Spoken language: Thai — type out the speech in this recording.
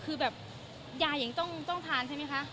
คือแบบยายังต้องทานใช่ไหมคะ